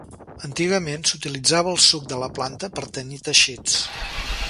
Antigament, s'utilitzava el suc de la planta per a tenyir teixits.